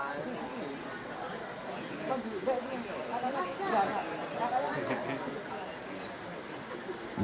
masukkan gulungan ke atas jemput dan pindah ke rumah